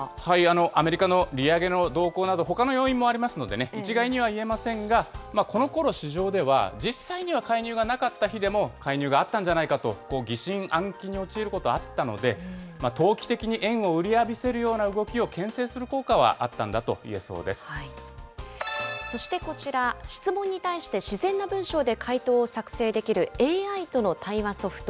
アメリカの利上げの動向など、ほかの要因もありますのでね、一概には言えませんが、このころ市場では、実際には介入がなかった日でも、介入があったんじゃないかと、疑心暗鬼に陥ることあったので、投機的に円を売り浴びせるような動きをけん制する効果はあったんそしてこちら、質問に対して自然な文章で回答を作成できるＡＩとの対話ソフト。